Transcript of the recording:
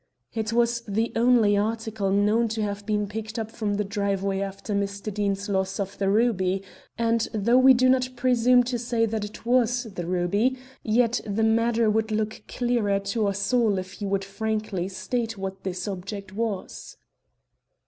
"It was the only article known to have been picked up from the driveway after Mr. Deane's loss of the ruby; and though we do not presume to say that it was the ruby, yet the matter would look clearer to us all if you would frankly state what this object was."